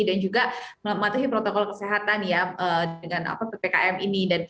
dan juga mematuhi protokol kesehatan ya dengan ppkm ini